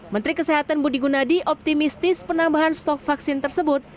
menteri kesehatan budi gunadi optimistis penambahan stok vaksin tersebut